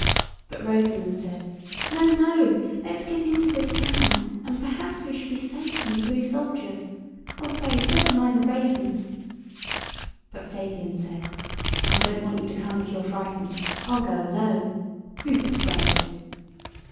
But Rosamund said— "No, no; let's get into this town, and perhaps we shall be safe from the blue soldiers. Oh, Fabe, never mind the raisins!" But Fabian said, "I don't want you to come if you're frightened. I'll go alone. Who's afraid?"